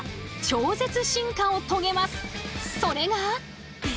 それが。